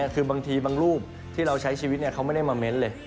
คือบางทีบางรูปที่เราใช้ชีวิตเขาไม่ได้มาเม้นต์เลย